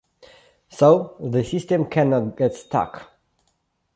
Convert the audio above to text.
So, the system cannot get stuck.